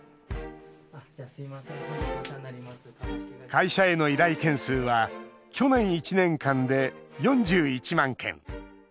会社への依頼件数は去年１年間で４１万件。